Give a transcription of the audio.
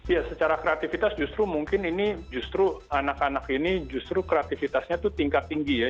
ya secara kreativitas justru mungkin ini justru anak anak ini justru kreativitasnya itu tingkat tinggi ya